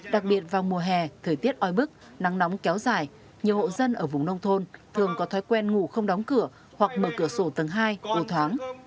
đặc biệt vào mùa hè thời tiết oi bức nắng nóng kéo dài nhiều hộ dân ở vùng nông thôn thường có thói quen ngủ không đóng cửa hoặc mở cửa sổ tầng hai u thoáng